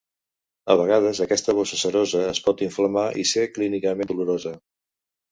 A vegades, aquesta bossa serosa es pot inflamar i ser clínicament dolorosa.